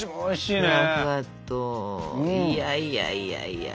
いやいやいやいや。